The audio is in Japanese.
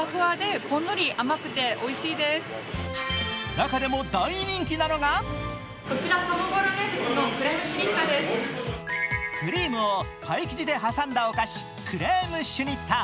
中でも大人気なのがクリームをパイ生地で挟んだお菓子、クレームシュニッタ。